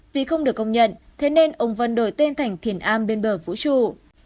vì không được công nhận thế nên ông vân đổi tên thành thiền a bên bờ vũ trụ